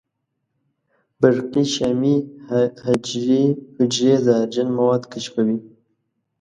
برقي شامي حجرې زهرجن مواد کشفوي.